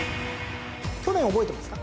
去年覚えてますか？